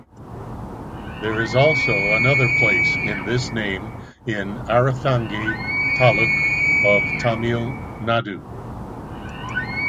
There is also another place in this name in Aranthangi taluk of Tamil Nadu.